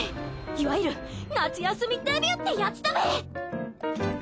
いわゆる夏休みデビューってやつだべ！